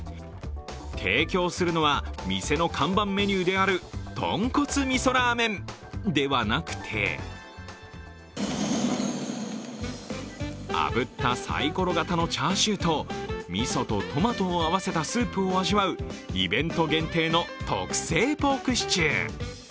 提供するのは店の看板メニューである豚骨味噌ラーメンではなくて、あぶったさいころ型のチャーシューとみそとトマトを合わせたスープを味わうイベント限定の特製ポークシチュー。